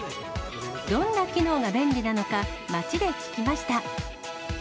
どんな機能が便利なのか、街で聞きました。